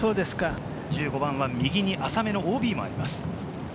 １５番は右に浅めのＯＢもあります。